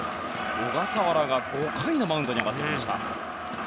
小笠原が５回のマウンドに上がってきました。